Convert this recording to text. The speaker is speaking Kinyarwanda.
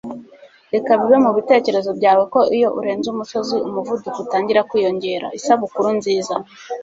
reka bibe mubitekerezo byawe ko iyo urenze umusozi umuvuduko utangira kwiyongera. isabukuru nziza